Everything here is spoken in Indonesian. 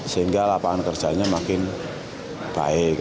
sehingga lapangan kerjanya makin baik